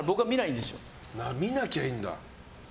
見なきゃいいんだ。